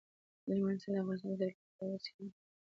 هلمند سیند د افغانانو د تفریح لپاره یوه وسیله ده.